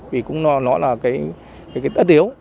vì cũng nó là cái ớt yếu